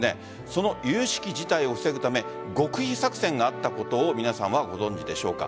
そのゆゆしき事態を防ぐため極秘作戦があったことを皆さんはご存知でしょうか。